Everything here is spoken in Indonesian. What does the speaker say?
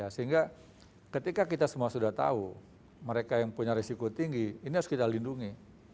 sehingga ketika kita semua sudah tahu mereka yang punya risiko tinggi ini harus kita lindungi